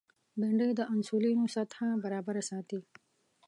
بېنډۍ د انسولین سطحه برابره ساتي